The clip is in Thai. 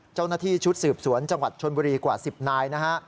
เจ้าหน้าที่ชุดสืบสวนจังหวัดชนบุรีกว่า๑๐นายนะฮะ